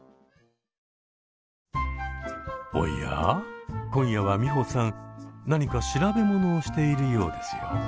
おや今夜はミホさん何か調べ物をしているようですよ。